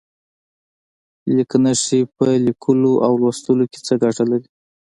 لیک نښې په لیکلو او لوستلو کې څه ګټه لري؟